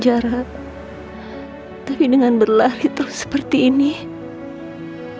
mungkin sebaiknya kamu memang menyerah saja sayang